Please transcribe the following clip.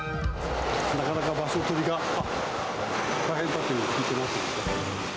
なかなか場所取りが大変だというふうに聞いていますので。